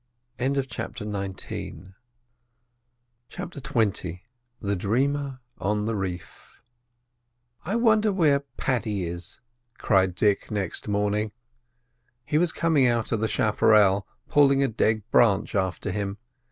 CHAPTER XX THE DREAMER ON THE REEF "I wonder where Paddy is?" cried Dick next morning. He was coming out of the chapparel pulling a dead branch after him.